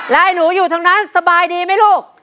แล้วไอ้หนูอยู่ทางนั้นสบายดีไหมลูก